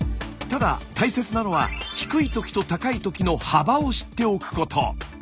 ただ大切なのは低いときと高いときの「幅」を知っておくこと。